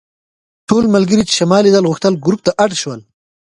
ټول ملګري چې شمال لیدل غوښتل ګروپ ته اډ شول.